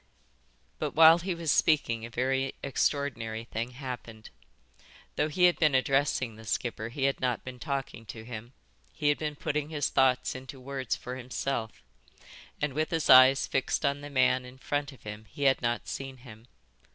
But while he was speaking a very extraordinary thing happened. Though he had been addressing the skipper he had not been talking to him, he had been putting his thoughts into words for himself, and with his eyes fixed on the man in front of him he had not seen him.